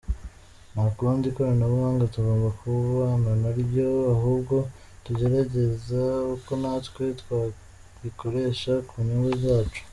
Nta kundi ikoranabuhanga tugomba kubana naryo, ahubwo tugerageza uko natwe twarikoresha ku nyungu zacu.